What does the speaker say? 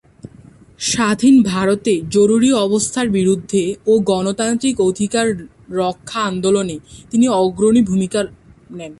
স্বাধীন ভারতে জরুরী অবস্থার বিরুদ্ধে ও গণতান্ত্রিক অধিকার রক্ষা আন্দোলনে তিনি অগ্রণী ভূমিকা নেন।